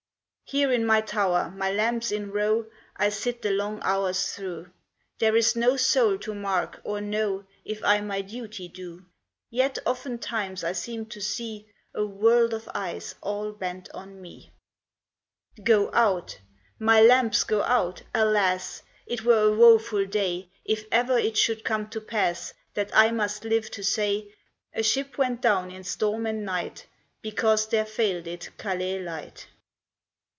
" Here in my tower, my lamps in row, I sit the long hours through ; There is no soul to mark or know If I my duty do ; Yet oftentimes I seem to see A world of eyes all bent on me !" Go out ! My lamps go out ! alas ! It were a woeful day If ever it should come to pass That I must live to say, A CLOUD OF WITNESSES A ship went down in storm and night, Because there failed it Calais Light."